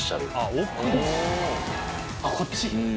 あっこっち。